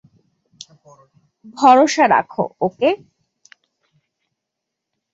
ভরসা রাখো, ওকে?